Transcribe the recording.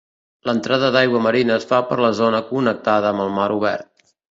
L’entrada d’aigua marina es fa per la zona connectada amb el mar obert.